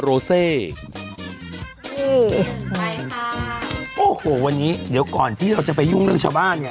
ยังไงคะโอ้โหวันนี้เดี๋ยวก่อนที่เราจะไปยุ่งเรื่องชาวบ้านเนี่ย